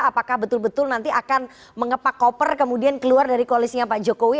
apakah betul betul nanti akan mengepak koper kemudian keluar dari koalisnya pak jokowi